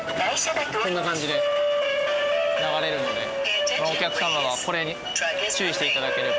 こんな感じで流れるのでお客様がこれに注意して頂ければ。